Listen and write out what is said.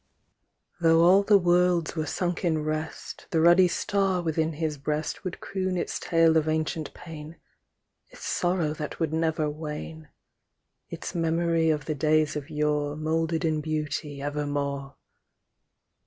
Though all the worlds were sunk in rest The ruddy star within his breast Would croon its tale of ancient pain, Its sorrow that would never wane, Its memory of the days of yore Moulded in beauty evermore.